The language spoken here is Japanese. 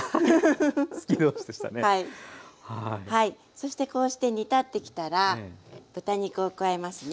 そしてこうして煮立ってきたら豚肉を加えますね。